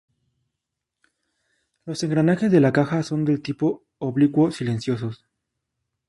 Los engranajes de la caja son del tipo oblicuo silenciosos.